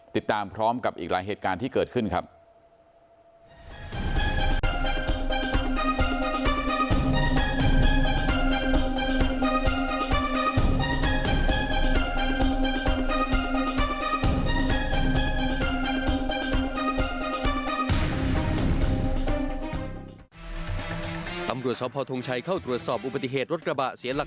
ติดตามพร้อมกับอีกหลายเหตุการณ์ที่เกิดขึ้นครับ